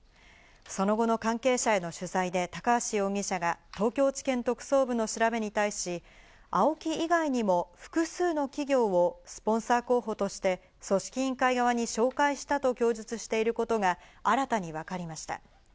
その後の関係者への取材で高橋容疑者が東京地検特捜部の調べに対し、ＡＯＫＩ以外にも複数の企業をスポンサー候補として組織委員会側に紹介したと供述していることが新たに分かりました。